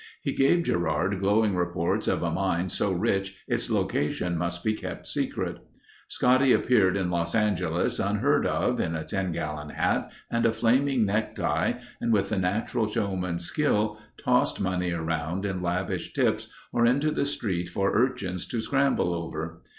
He gave Gerard glowing reports of a mine so rich its location must be kept secret. Scotty appeared in Los Angeles unheard of, in a ten gallon hat and a flaming necktie and with the natural showman's skill, tossed money around in lavish tips or into the street for urchins to scramble over.